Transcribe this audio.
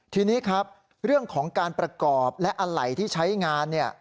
ทีนี้ครับเรื่องของการประกอบและอลัยที่ใช้งาน